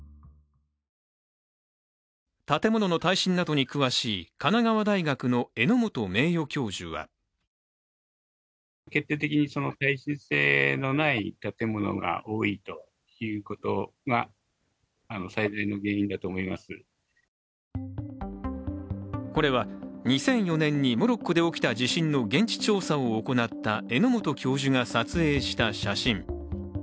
建物の耐震などに詳しい、神奈川大学の荏本名誉教授はこれは２００４年にモロッコで起きた地震の現地調査を行った荏本教授が撮影した写真。